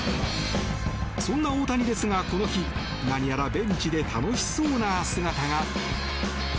そんな大谷ですがこの日何やらベンチで楽しそうな姿が。